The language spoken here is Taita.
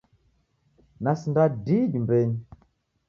Nasinda di nyumbenyi